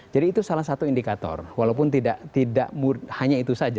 itu salah satu indikator walaupun tidak hanya itu saja